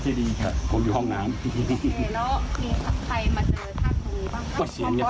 การทำให้มันตามกฎหมายจะพูดมาก